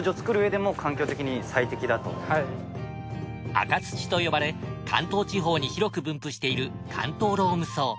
赤土と呼ばれ関東地方に広く分布している関東ローム層。